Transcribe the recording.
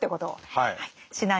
はい。